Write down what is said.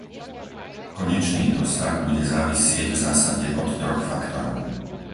Konečný dosah bude závisieť v zásade od troch faktorov.